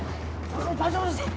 大丈夫ですか！？